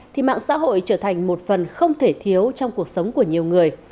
thì mạng xã hội trở thành một phần không thể thiếu trong cuộc sống của nhiều người